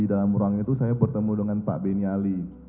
di dalam ruang itu saya bertemu dengan pak beni ali